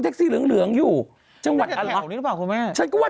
แท็กซี่เหลืองเหลืองอยู่จังหวัดแถวนี้รึเปล่าคุณแม่ฉันก็ว่า